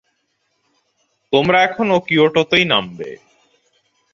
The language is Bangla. তোমরা এখনো কিয়োটোতেই নামবে।